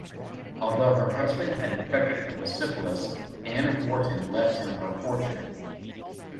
Although her husband had infected her with syphilis, Anne Wharton left him her fortune.